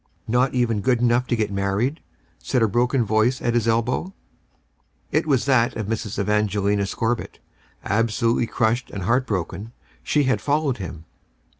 "Not even good enough to get married," said a broken voice at his elbow. It was that of Mrs. Evangelina Scorbitt. Absolutely crushed and heart broken, she had followed him.